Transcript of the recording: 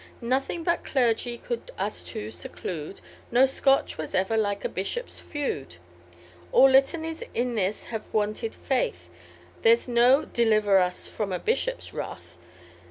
Nothing but clergy could us two seclude, No Scotch was ever like a bishop's feud. All Litanys in this have wanted faith, There's no _Deliver us from a Bishop's wrath.